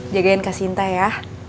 jagain kak sinta ya